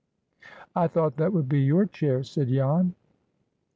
"I thought that would be your chair," said Jan.